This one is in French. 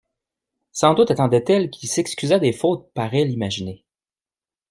Sans doute attendait-elle qu'il s'excusât des fautes par elle imaginées.